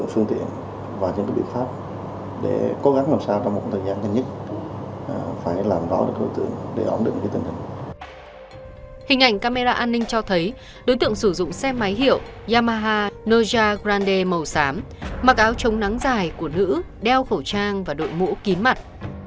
hình ảnh camera an ninh cho thấy đối tượng sử dụng xe máy hiệu yamaha noja grande màu xám mặc áo chống nắng dài của nữ đeo khẩu trang và đội mũ kín mặt